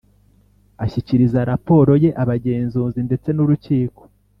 Ashyikiriza raporo ye abagenzuzi ndetse n urukiko